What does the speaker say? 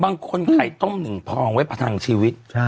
บางคนไข่ต้มหนึ่งพองไว้ประทังชีวิต